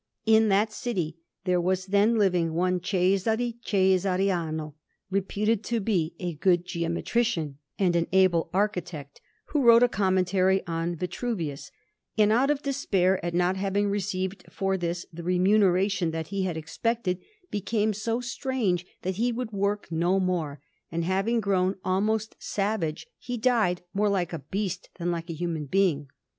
In that city there was then living one Cesare Cesariano, reputed to be a good geometrician and an able architect, who wrote a commentary on Vitruvius, and, out of despair at not having received for this the remuneration that he had expected, became so strange that he would work no more; and, having grown almost savage, he died more like a beast than like a human being.